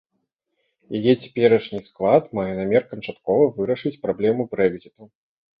Яе цяперашні склад мае намер канчаткова вырашыць праблему брэкзіту.